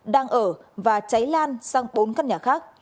đang ở và cháy lan sang bốn căn nhà khác